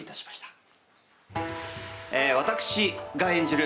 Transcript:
私が演じる